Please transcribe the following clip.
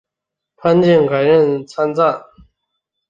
潘靖改任参赞。